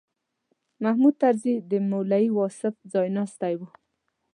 محمود طرزي د مولوي واصف ځایناستی و.